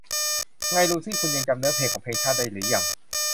ไง ลูซี่ คุณยังจำเนื้อเพลงของเพลงชาติได้หรือยัง